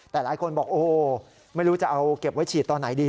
แต่หลายคนบอกโอ้โหไม่รู้จะเอาเก็บไว้ฉีดตอนไหนดี